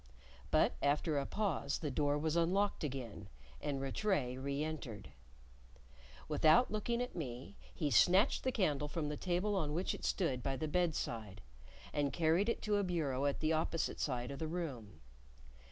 But after a pause the door was unlocked again, and Rattray re entered. Without looking at me, he snatched the candle from the table on which it stood by the bedside, and carried it to a bureau at the opposite side of the room.